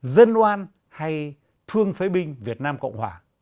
dân oan hay thương thương